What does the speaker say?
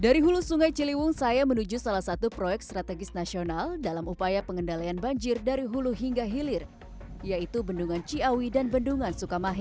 dari hulu sungai ciliwung saya menuju salah satu proyek strategis nasional dalam upaya pengendalian banjir dari hulu hingga hilir yaitu bendungan ciawi dan bendungan sukamahi